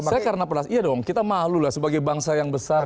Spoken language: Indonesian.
saya karena pernah iya dong kita malu lah sebagai bangsa yang besar